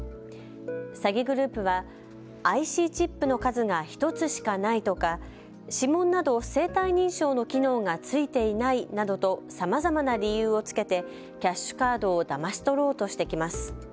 詐欺グループはＩＣチップの数が１つしかないとか、指紋など生体認証の機能が付いていないどとさまざまな理由をつけてキャッシュカードをだまし取ろうとしてきます。